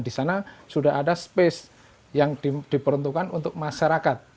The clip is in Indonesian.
di sana sudah ada space yang diperuntukkan untuk masyarakat